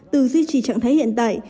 từ duy trì trạng thái hiện tại